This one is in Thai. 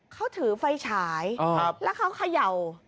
เขาถือไฟฉายแล้วเขาเขย่า